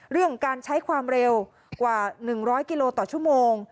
เรื่องการใช้ความเร็วกว่า๑๐๐กิโลต่อชั่วโมง